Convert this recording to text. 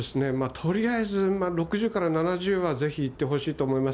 とりあえず、まあ、６０から７０はぜひいってほしいと思います。